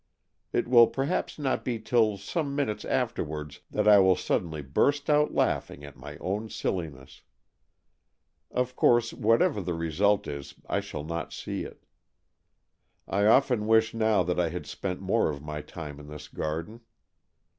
It will perhaps not be till some minutes afterwards that I will suddenly burst out laughing at my own silliness. Of course, whatever the result is I shall not see it. I often wash now^ that I had spent more of my time in this garden.